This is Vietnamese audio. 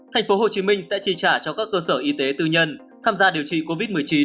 thành phố hồ chí minh sẽ tri trả cho các cơ sở y tế tư nhân tham gia điều trị covid một mươi chín